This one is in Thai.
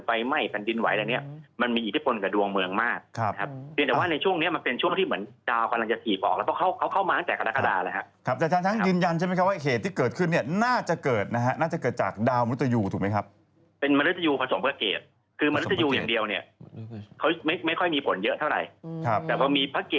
ไฟไหม้แผ่นดินไหวมันมีอิทธิพลกับดวงเมืองมากแต่ว่าในช่วงนี้มันเป็นช่วงที่เหมือนดาวกำลังจะสีบออกแล้วเข้ามาตั้งแต่กรรภาคภาคภาคภาคภาคภาคภาคภาคภาคภาคภาคภาคภาคภาคภาคภาคภาคภาคภาคภาคภาคภาคภาคภาคภาคภาคภาคภาคภาคภาค